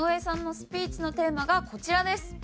さんのスピーチのテーマがこちらです。